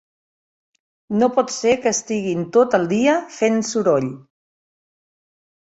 No pot ser que estiguin tot el dia fent soroll.